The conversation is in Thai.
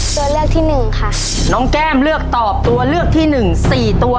ตัวเลือกที่หนึ่งค่ะน้องแก้มเลือกตอบตัวเลือกที่หนึ่งสี่ตัว